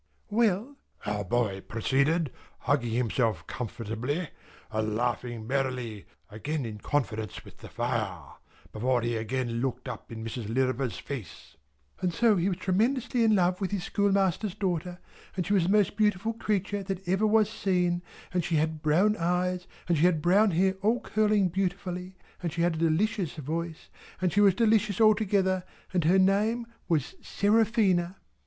"Well!" our boy proceeded, hugging himself comfortably, and laughing merrily (again in confidence with the fire), before he again looked up in Mrs. Lirriper's face, "and so he was tremendously in love with his schoolmaster's daughter, and she was the most beautiful creature that ever was seen, and she had brown eyes, and she had brown hair all curling beautifully, and she had a delicious voice, and she was delicious altogether, and her name was Seraphina."